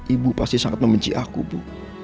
ibu pasti sangat membenci aku bu